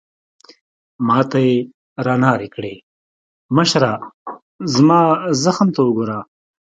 ما ته يې رانارې کړې: مشره، زما زخم ته وګوره.